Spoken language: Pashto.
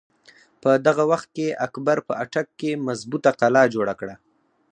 په دغه وخت کښې اکبر په اټک کښې مظبوطه قلا جوړه کړه۔